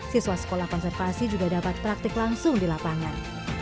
siswa sekolah konservasi juga dapat praktik langsung di lapangan